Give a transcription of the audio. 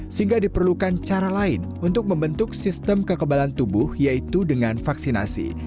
sehingga diperlukan cara lain untuk membentuk sistem kekebalan tubuh yaitu dengan vaksinasi